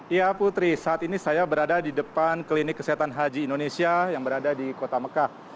ya putri saat ini saya berada di depan klinik kesehatan haji indonesia yang berada di kota mekah